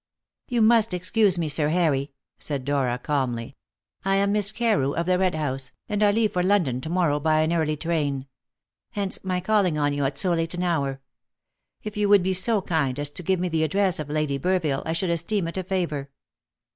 "You must excuse me, Sir Harry," said Dora calmly. "I am Miss Carew, of the Red House, and I leave for London to morrow by an early train. Hence my calling on you at so late an hour. If you would be so kind as to give me the address of Lady Burville, I should esteem it a favour."